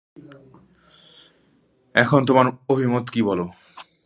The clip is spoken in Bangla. এখন তোমার অভিমত কি বল।